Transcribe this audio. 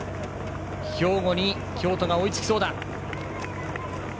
兵庫に京都が追いつきそうだ。